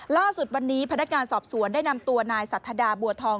ล่าสุดวันนี้พนักงานสอบสวนได้นำตัวนายสัทดาบัวทอง